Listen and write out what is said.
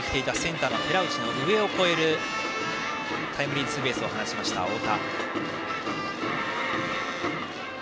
やや前に来ていたセンター寺内の上を越えるタイムリーツーベースを放ちました、太田。